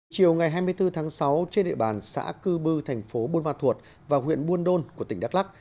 chiều ngày hai mươi bốn tháng sáu trên địa bàn xã cư bưu thành phố buôn ma thuột và huyện buôn đôn của tỉnh đắk lắc